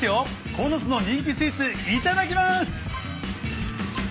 鴻巣の人気スイーツいただきます。